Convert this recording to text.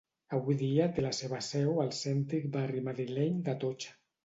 Avui dia té la seva seu al cèntric barri madrileny d'Atocha.